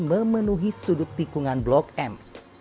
memenuhi sudut tikungan blok m